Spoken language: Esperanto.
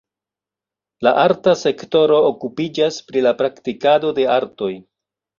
La arta sektoro okupiĝas pri la praktikado de artoj.